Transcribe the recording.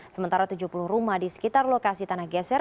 sementara tujuh puluh rumah di sekitar lokasi tanah geser